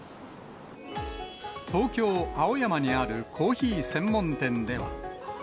東京・青山にあるコーヒー専門店では。